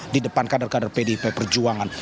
di depan kader kader pdip perjuangan